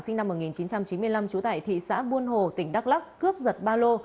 sinh năm một nghìn chín trăm chín mươi năm trú tại thị xã buôn hồ tỉnh đắk lắc cướp giật ba lô